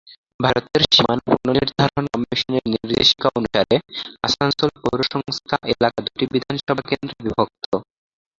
ভারতের সীমানা পুনর্নির্ধারণ কমিশনের নির্দেশিকা অনুসারে, আসানসোল পৌরসংস্থা এলাকা দুটি বিধানসভা কেন্দ্রে বিভক্ত।